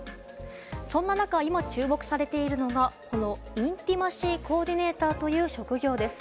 そんな中、今注目されているのがインティマシー・コーディネーターという職業です。